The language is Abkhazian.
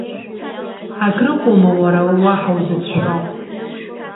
Акрыҟоума уара уаҳа узыцәшәо?